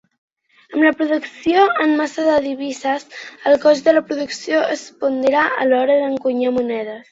Amb la producció en massa de divises, el cost de la producció es pondera a l'hora d'encunyar monedes.